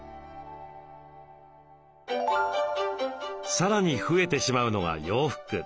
さらに増えてしまうのが洋服。